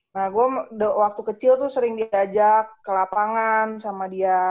nah gue waktu kecil tuh sering diajak ke lapangan sama dia